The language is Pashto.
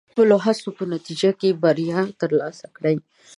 د خپلو هڅو په نتیجه کې بریا ترلاسه کړئ.